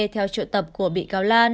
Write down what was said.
theo trợ tập của bị cáo lan